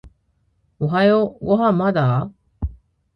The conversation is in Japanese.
おはようご飯まだ？